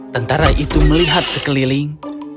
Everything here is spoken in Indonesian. tentara itu melihat sekeliling